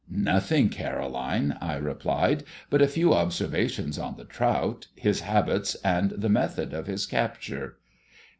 "Nothing, Caroline," I replied, "but a few observations on the trout, his habits, and the method of his capture."